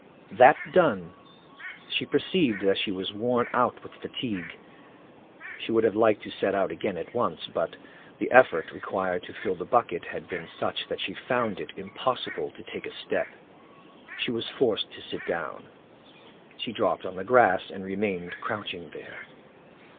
That done, she perceived that she was worn out with fatigue. She would have liked to set out again at once, but the effort required to fill the bucket had been such that she found it impossible to take a step. She was forced to sit down. She dropped on the grass, and remained crouching there.